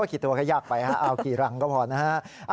กี่ตัวก็ยากไปเอากี่รังก็พอนะฮะ